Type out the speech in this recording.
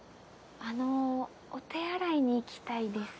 あのお手洗いに行きたいです。